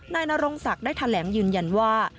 นายนรงศักดิ์ได้แถลงยืนยันว่า